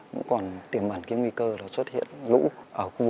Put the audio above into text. cũng còn tiềm ẩn cái nguy cơ là xuất hiện lũ